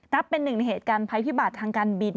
เป็นหนึ่งในเหตุการณ์ภัยพิบัติทางการบิน